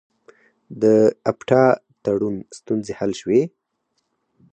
د اپټا تړون ستونزې حل شوې؟